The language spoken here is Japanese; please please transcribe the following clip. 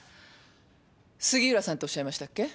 杉浦さんとおっしゃいましたっけ？